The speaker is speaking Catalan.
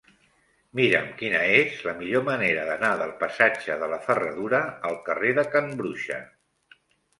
Mira'm quina és la millor manera d'anar del passatge de la Ferradura al carrer de Can Bruixa.